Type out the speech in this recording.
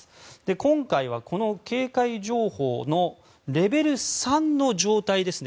今回はこの警戒情報のレベル３の状態ですね。